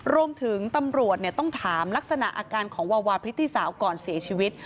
ตำรวจต้องถามลักษณะอาการของวาวาพฤติสาวก่อนเสียชีวิต